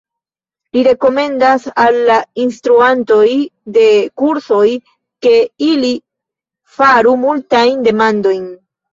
Mi rekomendas al la instruantoj de kursoj, ke, ili faru multajn demandojn.